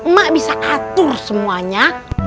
mak bisa atur semuanya